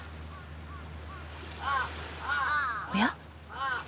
おや？